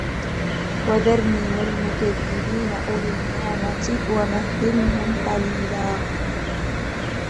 وذرني والمكذبين أولي النعمة ومهلهم قليلا